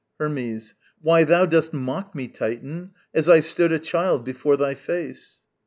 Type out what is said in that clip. Hermes. Why, thou dost mock me, Titan, as I stood A child before thy face.